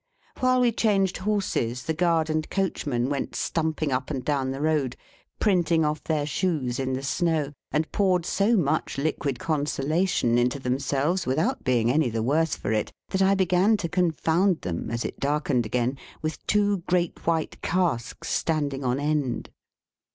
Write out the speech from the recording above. While we changed horses, the guard and coachman went stumping up and down the road, printing off their shoes in the snow, and poured so much liquid consolation into themselves without being any the worse for it, that I began to confound them, as it darkened again, with two great white casks standing on end.